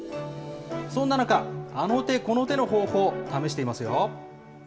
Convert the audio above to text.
そんな中、あの手この手の方法、試していますよ。